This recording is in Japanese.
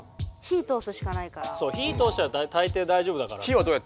火通したら大抵大丈夫だから。